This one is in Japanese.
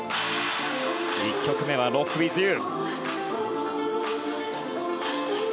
１曲目は「ＲｏｃｋｗｉｔｈＵ」。